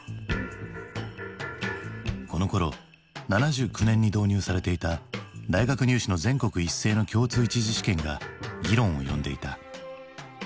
このころ７９年に導入されていた大学入試の全国一斉の共通一次試験が議論を呼んでいた。